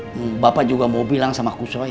hai bapak juga mau bilang sama kusoi